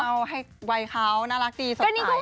เอาให้วัยเขาน่ารักดีสดใส